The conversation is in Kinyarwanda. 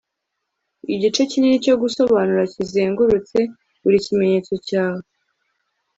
igice kinini cyo gusobanura kizengurutse buri kimenyetso cyawe